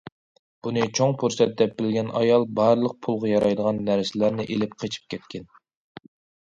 بۇنى چوڭ پۇرسەت دەپ بىلگەن ئايال بارلىق پۇلغا يارايدىغان نەرسىلەرنى ئېلىپ قېچىپ كەتكەن.